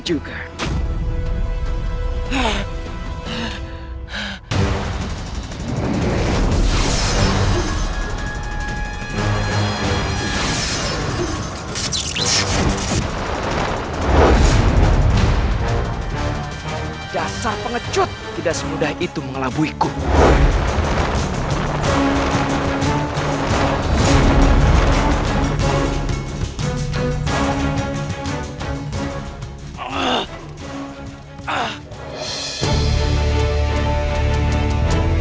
komitmen yang diperlukan